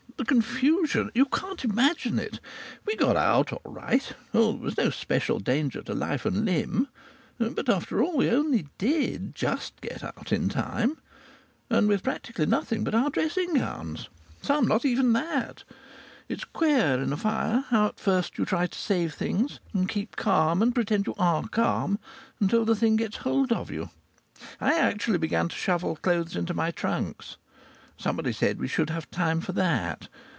The confusion you can't imagine it. We got out all right. Oh! there was no special danger to life and limb. But after all we only did get out just in time. And with practically nothing but our dressing gowns some not even that! It's queer, in a fire, how at first you try to save things, and keep calm, and pretend you are calm, until the thing gets hold of you. I actually began to shovel clothes into my trunks. Somebody said we should have time for that.